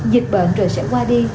dịch bệnh rồi sẽ qua đi